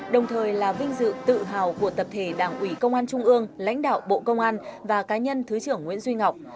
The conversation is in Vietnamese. đồng thời là vinh dự tự hào của tập thể đảng ủy công an trung ương lãnh đạo bộ công an và cá nhân thứ trưởng nguyễn duy ngọc